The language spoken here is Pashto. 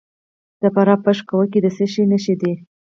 د فراه په پشت کوه کې د څه شي نښې دي؟